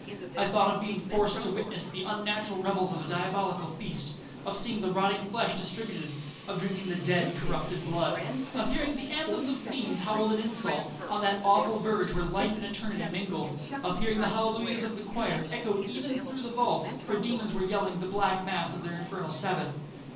I thought of being forced to witness the unnatural revels of a diabolical feast,—of seeing the rotting flesh distributed,—of drinking the dead corrupted blood,—of hearing the anthems of fiends howled in insult, on that awful verge where life and eternity mingle,—of hearing the hallelujahs of the choir, echoed even through the vaults, where demons were yelling the black mass of their infernal Sabbath.